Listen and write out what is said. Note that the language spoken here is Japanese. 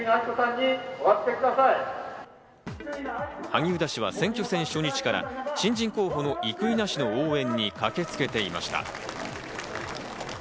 萩生田氏は選挙戦初日から新人候補の生稲氏の応援に駆けつけていました。